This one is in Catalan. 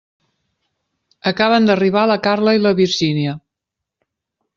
Acaben d'arribar la Carla i la Virgínia.